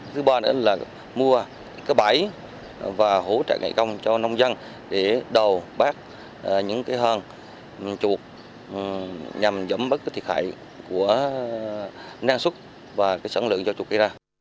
thứ ba nữa là mua cái bãi và hỗ trợ nghệ công cho nông dân để đầu bác những cái hòn chuột